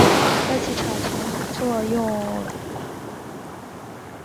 该机场曾经用作英国皇家空军的。